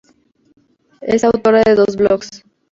Es autora de dos blogs.